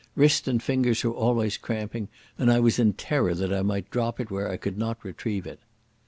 Wrist and fingers were always cramping, and I was in terror that I might drop it where I could not retrieve it.